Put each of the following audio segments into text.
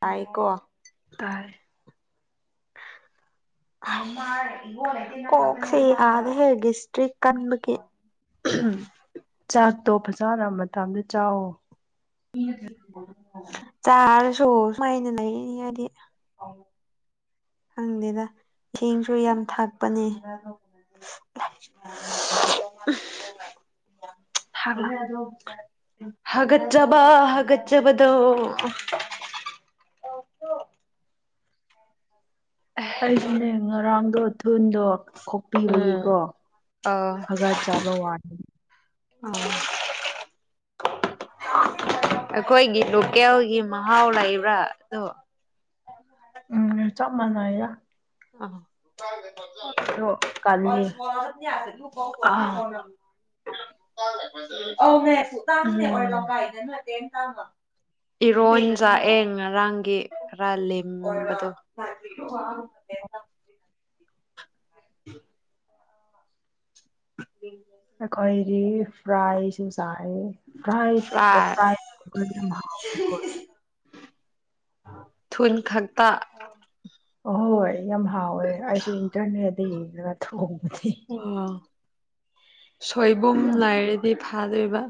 ꯇꯥꯏꯀꯣ ꯇꯥꯏ ꯀꯣꯛꯁꯦ ꯌꯥꯗ ꯍꯦꯒꯦ ꯏꯁꯇ꯭ꯔꯤ ꯀꯟꯕꯒꯤ ꯆꯥꯛꯇꯣ ꯐꯖꯅ ꯃꯇꯝꯗ ꯆꯥꯛꯑꯣ ꯆꯥꯔꯁꯨ ꯁꯨꯃꯥꯏꯅ ꯂꯩꯅꯤ ꯍꯥꯏꯗꯤ ꯈꯪꯗꯦꯗ ꯏꯁꯤꯡꯁꯨ ꯌꯥꯝ ꯊꯥꯛꯄꯅꯦ ꯍꯥꯒꯠꯆꯕ ꯍꯥꯒꯠꯆꯕꯗꯣ ꯑꯩꯩꯁꯨꯅꯦ ꯔꯥꯡꯗꯣꯁ ꯊꯨꯟꯗꯣꯛ ꯎꯝ ꯈꯣꯛꯄꯤꯕꯒꯤꯀꯣ ꯑꯥ ꯍꯒꯥꯠ ꯆꯥꯕ ꯋꯥꯔꯦ ꯑꯩꯈꯣꯏꯒꯤ ꯂꯣꯀꯦꯜꯒꯤ ꯃꯍꯥꯎ ꯂꯩꯕ꯭ꯔꯥ ꯑꯗꯣ ꯎꯝ ꯆꯞ ꯃꯅ ꯑ ꯀꯜꯂꯤ [unintelligible] ꯑ ꯏꯔꯣꯏ ꯆꯥꯛꯌꯦꯡ ꯉꯔꯥꯡꯒꯤ ꯈꯔ ꯂꯦꯝꯕꯗꯣ [unintelligible] [unintelligible] ꯎꯝ ꯈꯩꯔꯤ ꯐ꯭ꯔꯥꯏꯁ ꯆꯥꯏ ꯄ꯭ꯔꯥꯏ ꯐ꯭ꯔꯥꯏ ꯄ꯭ꯔꯥꯏ ꯊꯨꯟ ꯈꯛꯇ ꯍꯣꯏ ꯌꯥꯝ ꯍꯥꯎꯋꯦ ꯑꯩꯁꯨ ꯏꯟꯇꯔꯅꯦꯠꯗ ꯌꯦꯡꯉ [unintelligible] [unintelligible] ꯁꯣꯏꯕꯨꯝ ꯌꯥꯝ ꯂꯩꯔꯗꯤ ꯐꯥꯗꯣꯏꯕ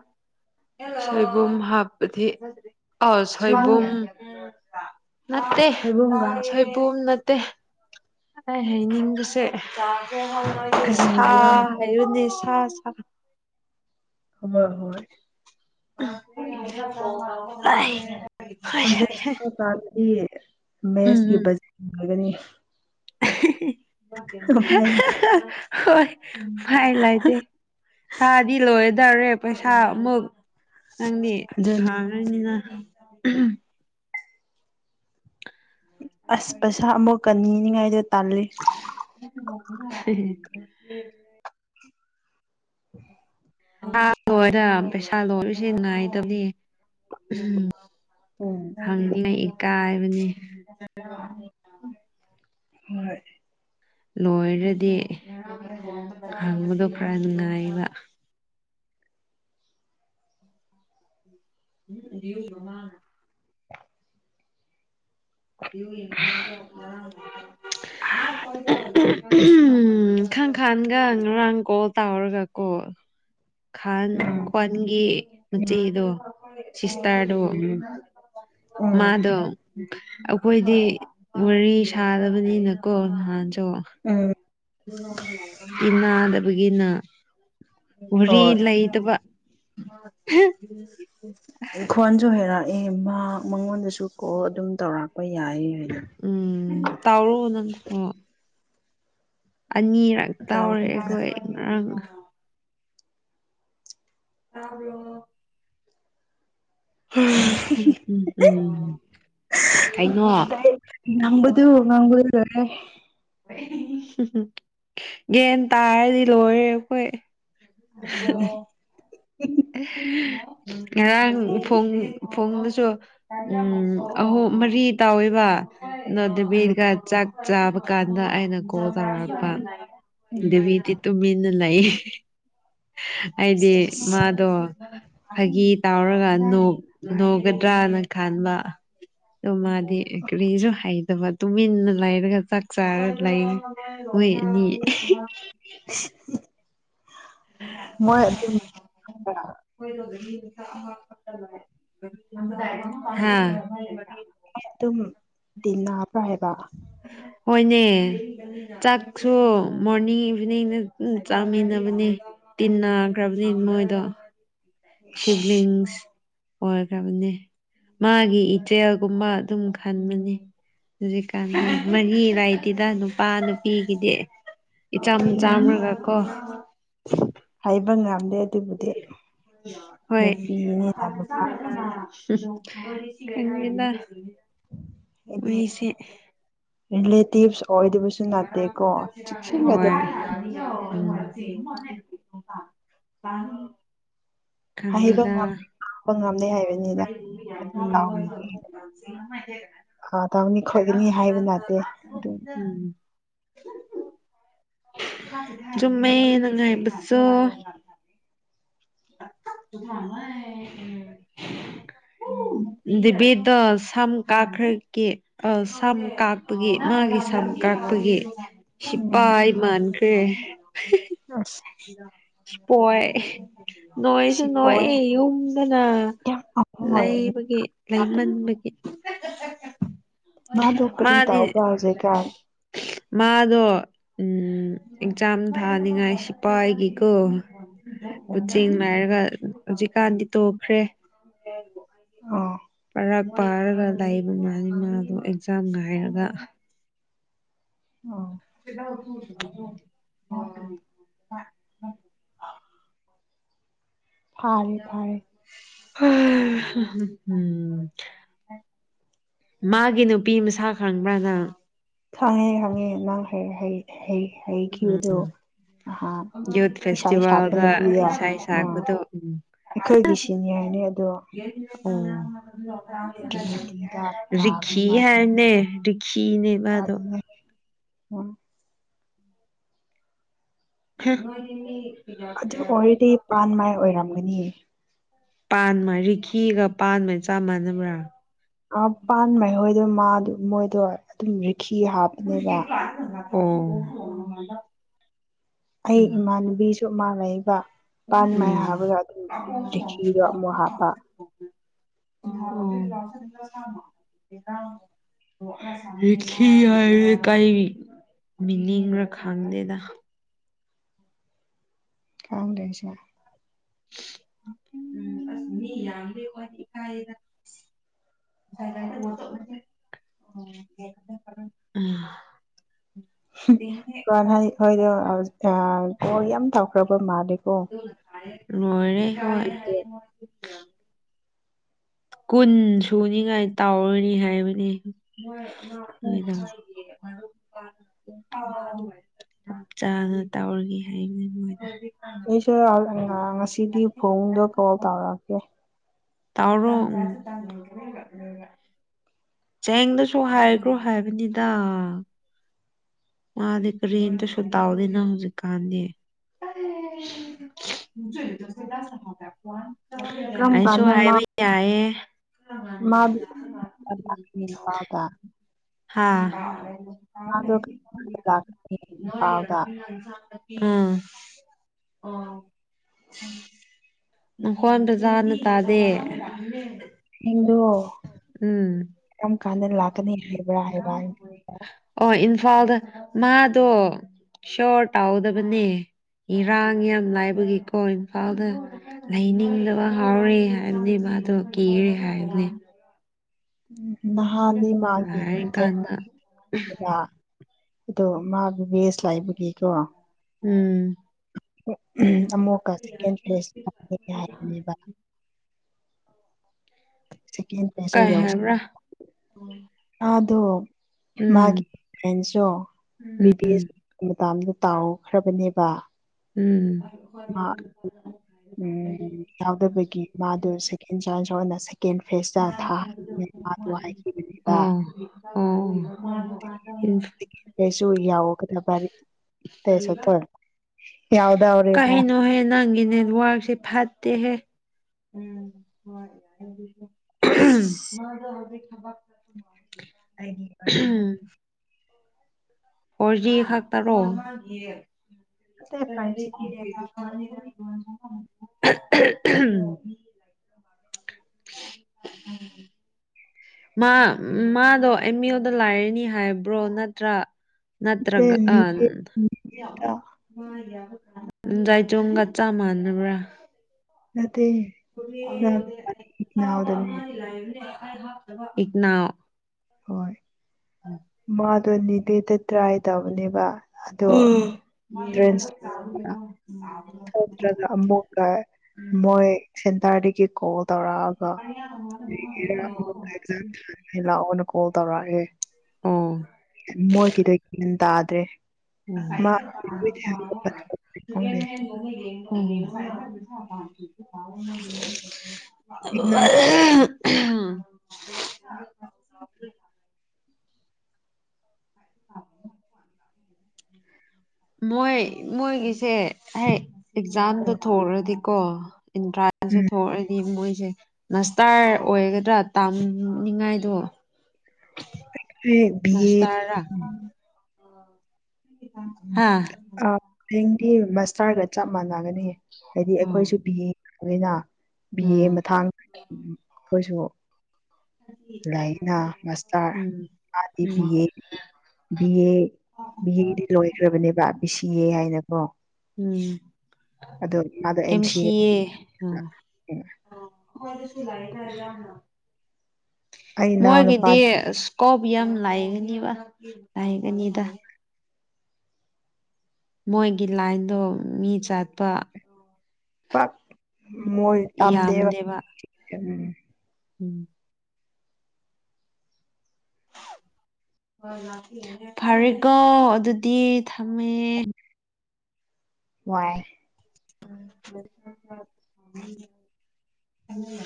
ꯁꯣꯏꯕꯨꯝ ꯍꯥꯞꯄꯗꯤ ꯑ ꯁꯣꯏꯕꯨꯝ [unintelligible] ꯅꯠꯇꯦ ꯁꯣꯏꯕꯨꯝꯒ ꯁꯣꯏꯕꯨꯝ ꯅꯠ ꯇꯦ ꯑꯩ ꯍꯥꯏꯅꯤꯡꯕꯁꯦ ꯁꯥ ꯀꯔꯤꯕ꯭ꯔꯥ ꯍꯥꯏꯕꯅꯤ ꯁꯥꯁꯥ ꯍꯣꯏ ꯍꯣꯏ [unintelligible] ꯍꯧꯖꯤꯛ [inaudible] ꯗꯗꯤ ꯎꯝ ꯃꯦꯁꯀꯤ ꯎꯝ [unintelligible] ꯎꯄꯥꯏ ꯂꯩ [unintelligible] [unintelligible] ꯍꯣꯏ ꯐꯥꯏ ꯂꯥꯏꯇꯦ ꯊꯥꯗꯤ ꯂꯣꯏ ꯗꯔꯦ ꯄꯩꯁꯥ ꯑꯃꯨꯛ ꯅꯪꯗꯤ ꯑꯗꯨꯅꯦ ꯅꯥꯍꯥꯟꯒꯩꯅꯤꯅ [unintelligible] ꯑꯁ ꯄꯩꯁꯥ ꯑꯃꯨꯛ ꯀꯟꯅꯤꯉꯥꯏꯗ [unintelligible] [unintelligible] [inaudible] [inaudible] ꯄꯩꯥ ꯂꯣꯏꯔ ꯄꯩꯁꯥ ꯂꯣꯏꯕꯁꯤ ꯅꯨꯡꯉꯥꯏꯇꯕꯅꯤ ꯎꯝ [unintelligible] ꯀꯥꯏꯕꯅꯤ ꯍꯣꯏ ꯂꯣꯏꯔꯗꯤ ꯍꯪꯕꯗꯣ ꯈꯔ ꯅꯨꯡꯉꯥꯏꯕ [inaudible] ꯎꯝ ꯈꯪꯈꯥꯟꯒ ꯉꯔꯥꯡ ꯀꯣꯜ ꯇꯥꯎꯔꯒ ꯀꯣ ꯈꯥꯟ ꯎꯝ ꯈ꯭ꯋꯥꯟꯒꯤ ꯃꯆꯦꯗꯣ [unintelligible] ꯁꯤꯁꯥꯔ ꯎꯝ ꯎꯝ ꯃꯥꯙꯞ ꯎꯝ [unintelligible] ꯑꯩꯈꯣꯏꯗꯤ ꯋꯥꯔꯤ ꯁꯥꯗꯕꯅꯤꯅꯀꯣ ꯅꯍꯥꯟ ꯑ ꯎꯝ ꯏꯟꯅꯗ ꯑꯩꯒꯤꯅ ꯎꯔꯤ ꯍꯣꯏ ꯂꯩ ꯏꯗꯨꯕ [unintelligible] ꯑꯩ ꯈ꯭ꯣꯟꯁꯨ ꯍꯦꯔꯥ ꯑꯦ ꯃꯥ ꯃꯉꯣꯟꯗꯁꯨ ꯑꯗꯨ ꯀꯣ ꯑꯗꯨꯝ ꯇꯧꯔꯛ ꯣꯏ ꯌꯥꯏꯌꯦ ꯎꯝ ꯇꯥꯎ ꯅ ꯑꯣ ꯑꯅꯤꯔꯛ ꯇꯧꯔꯦ ꯇꯧꯕꯅꯤꯅ ꯑꯩꯈꯣꯏ ꯉꯔꯥꯡ ꯑꯕꯣ ꯝ ꯎꯝ ꯎ ꯅꯝꯕꯗꯨ ꯉꯪ ꯇꯔꯦ [unintelligible] ꯒꯦꯟ ꯇꯥꯔꯗꯤ ꯂꯣꯏꯔꯦ ꯑꯩꯈꯣꯏ ꯑꯗꯨꯅꯤ ꯑ [unintelligible] ꯑꯦ ꯉꯔꯥꯡ ꯐꯣꯡ ꯐꯣꯡ ꯁꯨ ꯎꯝ ꯑꯍꯨꯝ ꯃꯔꯤ ꯇꯥꯎꯋꯦꯕ ꯎꯝ ꯅꯗꯕꯤꯔꯒ ꯆ ꯆꯥꯕ ꯀꯥꯟꯗ ꯑꯩꯅ ꯀꯣ ꯇꯥꯄ ꯎꯝ ꯏꯗꯕꯤꯗꯤ ꯇꯨꯃꯤꯟꯅ ꯂꯩꯏ [unintelligible] ꯑꯩꯗꯤ ꯁꯦꯁ ꯃꯥ ꯐꯥꯒꯤ ꯇꯥꯎꯔꯒ ꯅꯣꯒꯗ꯭ꯔꯅ ꯈꯕ ꯑꯗꯨ ꯃꯥ ꯀꯔꯤꯁꯨ ꯍꯥꯏꯗ꯭ꯔꯕꯥꯗ ꯇꯨꯃꯤꯟꯅ ꯂꯩꯔꯒ ꯆꯥꯛ ꯆꯥꯔ ꯂꯩ ꯑꯣꯏꯣꯏꯅꯤ ꯃꯣꯏ ꯑꯗꯨꯒꯤ ꯗ ꯍꯥ ꯑꯗꯨꯝ ꯇꯤꯟꯅꯕ꯭ꯔꯥ ꯍꯥꯏꯕ ꯍꯣꯏꯅꯦ ꯆꯥꯛꯁꯨ ꯃꯣꯔꯅꯤꯡ ꯏꯚꯤꯅꯤꯡꯅ ꯆꯥꯃꯤꯟꯅꯕꯅꯦ ꯇꯤꯟꯅꯈ꯭ꯔꯕꯅꯤ ꯃꯣꯏꯗꯣ ꯁꯤꯕꯂꯤꯡꯁ ꯑꯣꯏꯈ꯭ꯔꯕꯅꯤ ꯃꯥꯒꯤ ꯏꯆꯦꯜꯒꯨꯝꯕ ꯑꯗꯨꯝ ꯈꯟꯕꯅꯤ ꯍꯧꯖꯤꯛꯀꯥꯟ ꯃꯔꯤ ꯂꯩꯥꯇꯦꯗ ꯅꯨꯄꯥ ꯅꯨꯄꯤꯒꯤꯗꯤ ꯏ ꯆꯝ ꯎꯝ ꯆꯝꯔꯒꯀꯣ [inaudible] ꯕ ꯉꯝꯗꯦ ꯑꯗꯨꯕꯨꯗꯤ ꯍꯣꯏ ꯅꯨꯄꯤꯅꯤꯅ ꯅꯨꯄꯥ [unintelligible] ꯅꯦꯅꯥ ꯑꯗꯨꯗꯤ ꯔꯤꯜ [unintelligible] ꯑꯣꯏꯗꯕꯁꯨ ꯅꯠꯇꯦꯀꯣ ꯆꯦꯛꯁꯤꯟꯒꯗ ꯍꯣꯏ [inaudible] ꯍꯥꯏꯕ ꯈꯪꯗꯦꯗ ꯉꯝꯕ ꯉꯝꯗꯦ ꯍꯥꯏꯕꯅꯤꯗ ꯑꯥ ꯇꯧꯅꯤ ꯈꯣꯠꯀꯅꯤ ꯍꯥꯏꯕ ꯅꯠꯇꯦ ꯎꯝ ꯑꯗꯨꯝ [unintelligible] ꯆꯤꯛꯄꯤꯌꯨ ꯆꯨꯝꯃꯦ ꯅꯨꯡꯉꯥꯏꯕ ꯆꯣ ꯗꯦꯕꯤꯗꯣ ꯁꯝ ꯀꯥꯛꯈ꯭ꯔꯒꯦ ꯑ ꯁꯝ ꯀꯥꯞꯄꯒꯤ ꯃꯥꯒꯤ ꯁꯝ ꯀꯥꯞꯄꯒꯤ ꯎꯝ ꯁꯤꯄꯥꯏ ꯃꯥꯟ [inaudible] ꯑꯁ [unintelligible] ꯍꯣꯏ ꯅꯣꯏꯁꯨ ꯁꯤ ꯄꯣꯛꯑꯦ ꯅꯣꯏꯑꯦ ꯌꯨꯝꯗꯅ ꯌꯥꯝ ꯑꯍꯣꯏ ꯂꯩꯕꯒꯤ ꯂꯩꯃꯟꯕꯒꯤ ꯃꯥꯗꯣ [unintelligible] ꯀꯔꯤ ꯃꯥꯟꯅꯤ ꯇꯧꯕ꯭ꯔꯥ ꯍꯧꯖꯤꯛꯀꯥꯟ ꯃꯥꯗꯣ ꯑꯦꯛꯖꯥꯝ ꯊꯥꯅꯤꯉꯥꯏ ꯁꯤꯐꯥꯏꯒꯤꯀꯣ ꯎꯝ ꯃꯆꯤꯡ ꯅꯥꯏꯔꯒ ꯍꯧꯖꯤꯛꯀꯥꯟꯗꯤ ꯇꯣꯛꯈ꯭ꯔꯦ ꯑꯥ ꯄꯔꯥꯛ ꯄꯥꯔꯒ ꯂꯩꯕ ꯃꯥꯜꯂꯦ ꯃꯥꯗꯣ ꯑꯦꯛꯖꯥꯝ ꯉꯥꯏꯔꯒ ꯑꯣ [unintelligible] ꯐꯥꯔꯦ ꯐꯥꯔꯦ ꯍꯥ ꯎꯝ ꯃꯥꯒꯤ ꯅꯨꯄꯤ ꯃꯁꯥ ꯈꯪꯕ꯭ꯔꯥꯅ ꯈꯥꯡꯉꯦ ꯈꯪꯉꯦ ꯅꯪ [inaudible] ꯎꯝ ꯍꯥꯏꯩꯈꯤꯕꯗꯣ ꯅꯍꯥꯟ ꯌꯨꯠ ꯏꯁꯥ ꯁꯛꯄ ꯐꯦꯁꯇꯤꯚꯦꯜꯗ ꯅꯨꯄꯤꯗ ꯏꯁꯩ ꯑ ꯁꯛꯄꯗꯣ ꯎꯝ ꯑꯩꯈꯣꯏꯒꯤ ꯁꯤꯅꯤꯌꯔꯅꯤ ꯑꯗꯣ ꯎꯝ ꯇ꯭ꯔꯤꯅꯤꯇꯤꯗ ꯀꯥꯕꯅꯦ ꯔꯤꯈꯤ ꯃꯥꯁꯨ ꯍꯥꯏꯅꯦ ꯔꯤꯈꯤꯅꯦ ꯃꯥꯗꯣ ꯑꯗꯨꯅꯦ [inaudible] [unintelligible] ꯑꯗꯨ ꯑꯣꯏꯔꯗꯤ ꯄꯥꯟ ꯃꯥꯏ ꯑꯣꯏꯔꯝꯒꯅꯤ [inaudible] ꯄꯥꯟꯃꯔꯤꯈꯤꯒ ꯄꯥꯟꯕ ꯆꯥꯞ ꯃꯥꯟꯅꯕ꯭ꯔꯥ ꯑ ꯄꯥꯟ ꯃ ꯍꯣꯏ ꯑꯗꯨ ꯃꯥꯗꯣ ꯃꯣꯏꯗꯣ ꯑꯗꯨꯝ ꯐꯤ ꯍꯥꯞꯅꯦꯕ ꯑꯣ ꯑꯩ ꯏꯃꯥꯥꯟꯅꯕꯤ ꯆꯞ ꯃꯥꯟꯅꯩꯕ ꯎꯝ ꯔꯤꯈꯤꯗꯣ ꯑꯃꯨꯛ ꯍꯥꯞꯄ ꯍꯥꯏ ꯀꯪ ꯃꯤꯅꯤꯡꯔꯈꯪꯗꯦꯗ ꯀꯗꯁ ꯎꯝ ꯑꯁ ꯃꯤ ꯌꯥꯝꯂ ꯋꯥ ꯏꯀꯥꯏꯗ [unintelligible] ꯍꯣꯏꯗꯣ ꯀꯣꯜ ꯌꯥꯝ ꯇꯥꯎꯈ꯭ꯔꯕ ꯃꯥꯜꯂꯦ ꯂꯣꯏꯔꯦ ꯀꯨꯟ ꯁꯨꯅꯤꯉꯥꯏ ꯇꯥꯎꯔꯅꯤ ꯍꯥꯏꯕꯅꯤ ꯅꯣꯏꯗ ꯆꯞ ꯆꯥꯅ ꯇꯧꯔꯒꯦ ꯍꯥꯏꯅꯦ ꯃꯣꯏ ꯑꯩꯁꯨ ꯉꯁꯤꯗꯤ ꯐꯣꯟꯗꯣ ꯀꯣꯜ ꯇꯧꯔꯛꯀꯦ ꯇꯔꯣ ꯆꯦꯡꯗꯁꯨ ꯍꯥꯏꯈ꯭ꯔꯣ ꯍꯥꯏꯕꯅꯤꯗ ꯃꯥꯗꯤꯔꯤꯅꯇꯁꯨ ꯇꯥꯎꯗꯅ ꯍꯧꯖꯤꯛ ꯀꯥꯟꯗꯤ ꯀꯔꯝ ꯑꯩꯁꯨ ꯀꯥꯟꯗ ꯃꯥ ꯍꯥꯏꯕ ꯌꯥꯏꯌꯦ ꯃꯥꯗꯨ ꯂꯥꯛꯀꯅꯤ ꯏꯝꯐꯥꯜꯗ ꯍꯥꯥ ꯑꯗꯣ [inaudible] ꯑꯥ ꯎꯝ ꯅꯈꯣꯟ ꯕꯖꯥꯅ ꯇꯥꯗꯦ ꯍꯗꯨ ꯎꯝ ꯀꯥꯟꯗꯅ ꯂꯥꯛꯀꯅꯤ ꯍꯥꯏꯕ꯭ꯔꯥ ꯍꯥꯏꯕ ꯍꯥꯏ ꯑꯣ ꯏꯝꯐꯥꯜꯗ ꯃꯥꯗꯣ ꯁꯣꯔ ꯇꯥꯎꯗꯕꯅꯦ ꯏꯔꯥꯡ ꯌꯥꯝ ꯂꯥꯏꯕꯒꯤꯀꯣ ꯏꯝꯐꯥꯜꯗ ꯂꯩꯅꯤꯡꯗꯕ ꯍꯥꯎꯔꯦ ꯍꯥꯏꯔꯅꯤ ꯃꯥꯗꯣ ꯀꯤꯔꯦ ꯍꯥꯏꯔꯅꯤ ꯎꯝ ꯍꯥꯟ ꯃꯥꯒꯤꯦ ꯂꯥꯏꯔꯀꯥꯟꯗ ꯑꯗꯣ ꯃꯥꯒꯤ ꯕꯦꯁ ꯂꯥꯏꯕꯒꯤꯀꯣ ꯎꯝ ꯑꯃꯨꯛꯀꯦ ꯍꯥꯏꯕꯅꯦꯕ ꯁꯦꯀꯦꯟ ꯄꯥꯏꯁ ꯀꯩ ꯌꯥꯎꯁ ꯍꯥꯏꯕ꯭ꯔꯥ ꯑ ꯑꯗꯨꯣ ꯎꯝ ꯃꯥꯒꯤ ꯕꯤ ꯎꯝ ꯇꯥꯎꯈ꯭ꯔꯕꯅꯦꯕ ꯎꯝ ꯎ ꯌꯥꯎꯗꯕꯒꯤ ꯃꯥꯗꯣ ꯁꯦꯀꯦꯟ ꯆꯖꯋꯥꯗꯦ ꯑ ꯍꯥꯏꯈꯤꯕꯅꯦꯕ ꯑꯣ ꯀꯩꯁꯨ ꯌꯥꯎꯣ ꯌꯥꯎꯗꯧꯔꯦꯕ ꯀꯩꯅꯣ ꯍꯌꯦ ꯅꯪꯒꯤ ꯅꯦꯠꯋꯔꯛꯁꯦ ꯐꯠ ꯍꯦ ꯎ ꯈꯕꯔ ꯈ ꯃꯥ ꯑꯩꯒꯤ ꯑꯔꯃꯟ ꯐꯣꯔꯖꯤ ꯈꯥꯛꯇꯥꯔꯣ ꯅꯠꯇꯦ ꯐꯥꯏꯚ ꯖꯤꯅꯦ ꯀꯨꯁ꯭ [inaudible] ꯎꯝ ꯃꯥ ꯃꯥꯗꯣ ꯑꯦꯝ ꯌ ꯑꯣꯗ ꯂꯥꯏꯔꯅꯤ ꯍꯥꯏꯕ꯭ꯔꯣ ꯅꯠꯇ꯭ꯔꯥ ꯅꯠꯇꯦ ꯅꯠꯇ꯭ꯔꯒ ꯑ ꯅꯤꯕꯦꯠꯇ ꯆꯥꯏ ꯆꯣꯡꯒ ꯆꯞ ꯃꯥꯟꯅꯕ꯭ꯔꯥ ꯎꯝ ꯕ ꯅꯥꯎꯗꯅꯦ ꯂꯅꯦ ꯏꯅꯥꯎ ꯍꯣꯏ ꯃꯥꯗꯣ ꯕꯦꯗ ꯇ꯭ꯔꯥꯏ ꯇꯧꯅꯦꯕ ꯎ ꯆꯥ ꯊꯣꯛꯇꯔꯒ ꯑꯃꯨꯛꯀ ꯃꯣꯢ ꯀꯣ ꯇꯧꯔꯛꯑꯒ ꯂꯥꯛꯑꯣ ꯀꯣꯜ ꯇꯧꯔꯒꯦ ꯑꯣ ꯃꯣꯏ ꯀꯗ ꯀ ꯇꯥꯗ꯭ꯔꯦ ꯃꯥ [unintelligible] ꯈꯪꯗꯦ [unintelligible] [inaudible] [inaudible] [inaudible] ꯃꯣꯏ ꯃꯣꯏꯒꯤꯁꯦ ꯍꯦ ꯑꯦꯛꯖꯥꯝꯗꯣ ꯊꯣꯔꯗꯤ ꯀꫭ ꯏꯟꯇ꯭ꯔꯥꯟꯁꯁꯨ ꯎꯝ ꯊꯣꯛꯑꯗꯤ ꯃꯣꯏ ꯁꯦ ꯃꯁꯇꯥꯔ ꯑꯣꯏꯒꯗ꯭ꯔꯥ ꯇꯥꯝꯅꯤꯡꯉꯥꯏꯗꯣ [inaudible] ꯑꯦ ꯕꯤ ꯑꯦꯠ ꯍꯥꯥ ꯃꯁꯇꯥꯔꯒ ꯆꯞ ꯃꯥꯟꯅꯩ ꯌꯥꯒꯅꯤꯌꯦ ꯍꯥꯏꯗꯤ ꯑꯣ ꯎꯝ ꯑꯩꯈꯣꯏꯁꯨ ꯄꯤꯌꯦ ꯑꯣꯏꯗ ꯕꯤ ꯑꯦ ꯎꯝ ꯃꯊꯥꯡ ꯎ ꯑꯩꯈꯣꯏꯁꯨ ꯂꯥꯏꯔꯤꯛꯅ ꯃꯥꯁꯇꯥꯔ ꯃꯥꯗꯤ B um A B A ꯕꯤꯑꯦꯗꯤ ꯂꯣꯏꯒ꯭ꯔꯕꯅꯦꯕ ꯕꯤ ꯁꯤꯑꯦ ꯍꯥꯏꯅꯀꯣ ꯎꯝ ꯑꯦꯝ ꯁꯤ ꯑꯦ ꯑ ꯍꯗ ꯁꯤꯂꯥꯏ ꯇꯔꯗꯅ ꯑꯩ ꯏꯅꯥꯎ ꯃꯣꯏꯒꯤꯗꯤ ꯅꯨꯄꯥꯗꯤ ꯏꯁꯀꯣꯞ ꯌꯥꯝ ꯂꯥꯛꯒꯅꯤꯕ ꯂꯥꯛꯒꯅꯤꯗ ꯃꯣꯏꯒꯤ ꯂꯥꯏꯟꯗꯣ ꯃꯤ ꯆꯠꯄ ꯄꯥꯛ ꯃꯣꯏ ꯇꯝꯗꯦꯕ ꯌꯥꯝꯗꯦꯕ ꯎꯝ ꯎꯝ ꯐꯔꯦꯀꯣ ꯑꯗꯨꯗꯤ ꯊꯃꯦ ꯋꯥꯏ ꯎꯝ